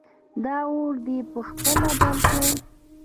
دا اور دې په خپله بل کړ!